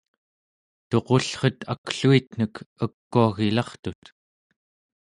tuqullret akluitnek ekuagilartut